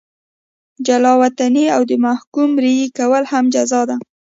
جلا وطني او د محکوم مریي کول هم جزا ده.